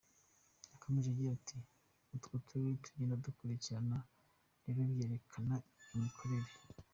Yakomeje agira ati “Uko uturere tugenda dukurikirana rero byerekana imikorere.